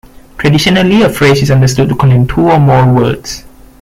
Traditionally, a phrase is understood to contain two or more words.